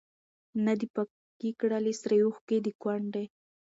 نه دي پاکي کړلې سرې اوښکي د کونډي